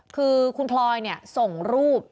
คือคุณพลอยส่งรูป